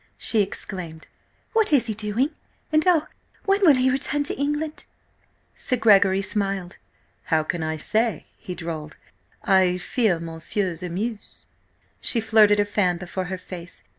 she exclaimed. "What is he doing, and, oh! when will he return to England?" Sir Gregory smiled. "How can I say?" he drawled. "I fear monsieur s'amuse!" She flirted her fan before her face.